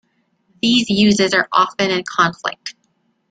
These uses are often in conflict.